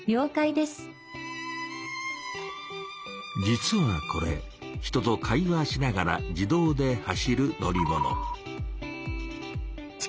実はこれ人と会話しながら自動で走る乗り物。